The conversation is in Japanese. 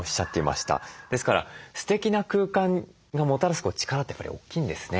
ですからステキな空間がもたらす力ってやっぱり大きいんですね。